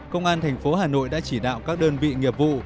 công an thành phố hà nội đã chỉ đạo các đơn vị nghiệp vụ